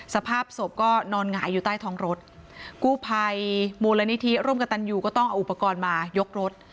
สภาพศพก็นอนหงายอยู่ใต้ท้องรถกู้ภัยมูลนิธิร่วมกับตันยูก็ต้องเอาอุปกรณ์มายกรถ